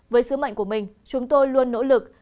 với sứ mệnh của mình chúng tôi luôn nỗ lực